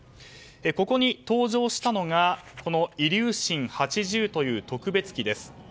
ここに登場したのがイリューシン８０という特別機です。